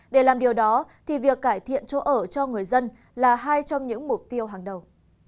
để làm điều đó thì việc cải thiện chỗ ở cho người dân là hai trong những mục tiêu hàng đầu